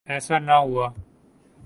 ایسا نہ ہوا۔